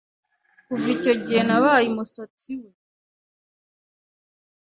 Kuva icyo gihe nabaye umusatsi we